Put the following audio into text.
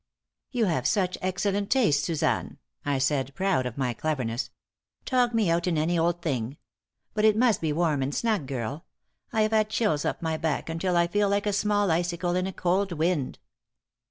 "You have such excellent taste, Suzanne," I said, proud of my cleverness. "Tog me out in any old thing. But it must be warm and snug, girl. I have had chills up my back until I feel like a small icicle in a cold wind."